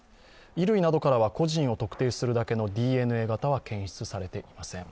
衣類などからは個人を特定するだけのＤＮＡ型は検出されていません。